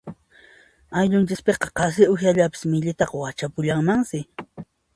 Ayllunchispiqa qasi uwihallapas millitaqa wachapullanmansi.